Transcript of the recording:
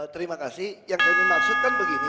terima kasih yang kami maksudkan begini